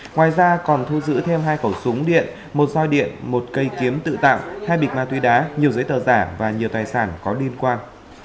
ngoài ra còn thu giữ thêm hai khẩu súng điện một roi điện một cây kiếm tự tạm hai bịch ma túy đá nhiều giấy tờ giả và nhiều tài sản có liên quan